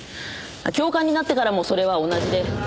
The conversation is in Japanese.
教官になってからもそれは同じで。